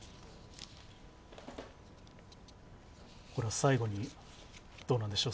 最後に、どうなんでしょう。